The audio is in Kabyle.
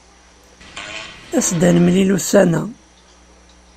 As-d ad nemlil ussan-a.